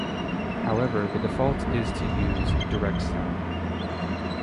However, the default is to use DirectSound.